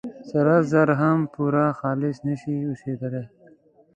سره زر هم پوره خالص نه شي اوسېدلي.